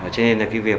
cho nên là cái việc